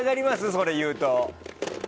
それ言うと。